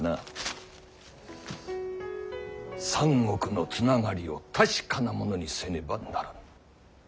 三国のつながりを確かなものにせねばならぬ。